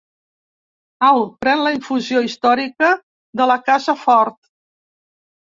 Au, pren la infusió històrica de la casa Ford.